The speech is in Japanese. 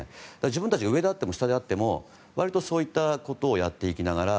自分たちが上であっても下であっても割とそういったことをやっていきながら。